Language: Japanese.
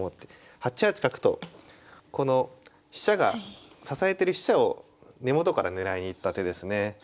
８八角とこの飛車が支えてる飛車を根元から狙いに行った手ですね。